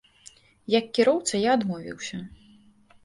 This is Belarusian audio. Як кіроўца, я адмовіўся.